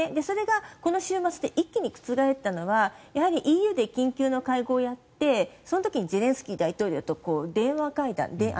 それがこの週末で一気に覆ったのがＥＵで緊急の会合をやってその時にゼレンスキー大統領と電話会談